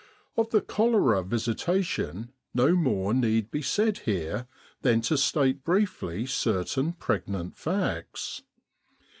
Of the cholera visitation no more need be said here than to state briefly certain pregnant facts.